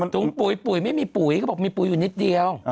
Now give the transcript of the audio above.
ถุงปุ๋ยปุ๋ยไม่มีปุ๋ยเขาบอกมีปุ๋ยอยู่นิดเดียว